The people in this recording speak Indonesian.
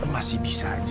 masih bisa aja